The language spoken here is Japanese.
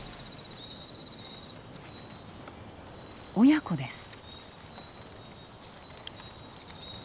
親子です。